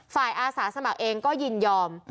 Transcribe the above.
อาสาสมัครเองก็ยินยอม